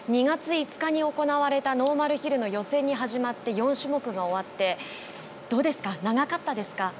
２月５日に行われたノーマルヒルの予選に始まって、４種目が終わってどうですか？